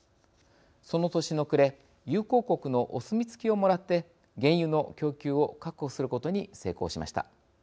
その年の暮れ友好国のお墨付きをもらって原油の供給を確保することに成功しました。